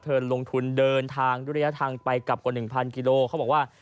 เธอลงทุนเดินทางตุเรียนทางไปกว่า๑๐๐๐กิโลเขาบอกว่า